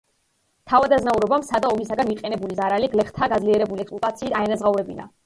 თავადაზნაურობამ სცადა ომისაგან მიყენებული ზარალი გლეხთა გაძლიერებული ექსპლუატაციით აენაზღაურებინა.